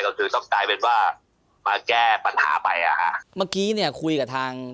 แล้วก็ที่เราสำรองจ่ายไปก่อนอะไรต่างเนี่ย